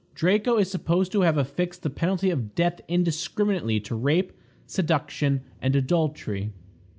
Draco is supposed to have affixed the penalty of death indiscriminately to rape, seduction, and adultery.